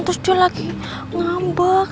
terus dia lagi ngambek